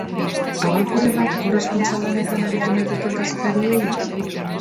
Aholkuren bat korrespontsal lanetan aritu nahi duten kazetariei?